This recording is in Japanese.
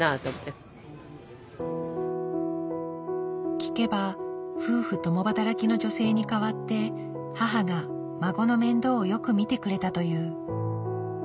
聞けば夫婦共働きの女性に代わって母が孫の面倒をよく見てくれたという。